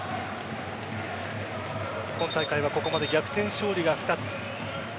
今大会はここまで逆転勝利が２つ。